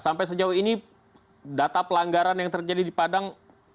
sampai sejauh ini data pelanggaran yang terjadi di padang